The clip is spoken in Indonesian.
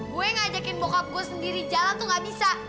gue yang ngajakin bokap gue sendiri jalan tuh gak bisa